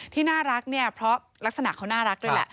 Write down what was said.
ที่น่ารักเนี่ยเพราะลักษณะเขาน่ารักด้วยแหละ